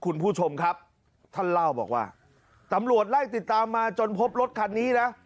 คุณผู้ชมครับท่านเล่าบอกว่าตำรวจไล่ติดตามมาจนพบรถคันนี้นะ